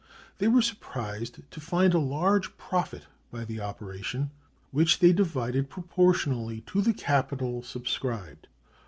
They were surprised to find a large profit by the operation, which they divided proportionally to the capital subscribed.